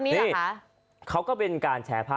นี่เขาก็เป็นการแชร์ภาพ